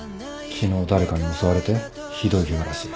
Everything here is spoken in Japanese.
昨日誰かに襲われてひどいケガらしい。